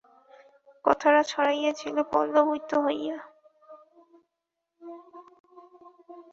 কথাটা ছড়াইয়াছিল পল্পবিত হইয়া।